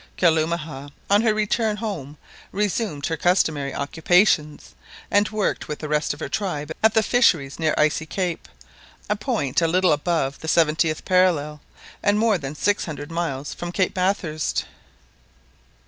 Kalumah on her return home resumed her customary occupations, and worked with the rest of her tribe at the fisheries near Icy Cape, a point a little above the seventieth parallel, and more than six hundred miles from Cape Bathurst.